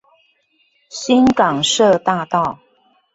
新港社大道